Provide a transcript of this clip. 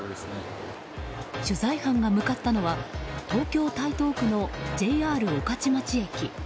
取材班が向かったのは東京・台東区のＪＲ御徒町駅。